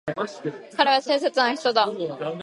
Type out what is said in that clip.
彼は親切な人だ。